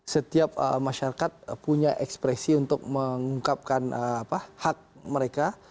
setiap masyarakat punya ekspresi untuk mengungkapkan hak mereka